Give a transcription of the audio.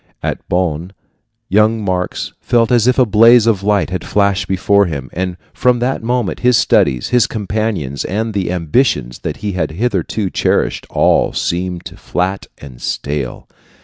At Bonn young Marx felt as if a blaze of light had flashed before him; and from that moment his studies, his companions, and the ambitions that he had hitherto cherished all seemed flat and stale.